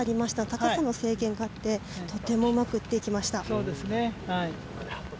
高さの制限があって、とてもうまくいきました。